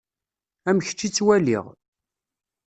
Am kečč i ttwaliɣ.